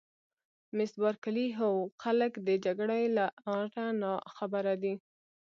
مس بارکلي: هو خلک د جګړې له آره ناخبره دي.